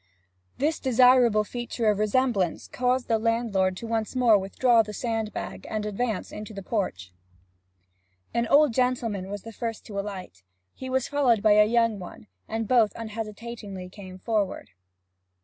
This desirable feature of resemblance caused the landlord to once more withdraw the sand bag and advance into the porch. An old gentleman was the first to alight. He was followed by a young one, and both unhesitatingly came forward.